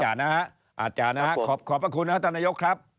อาจจะนะครับขอบคุณนะธนายกครับ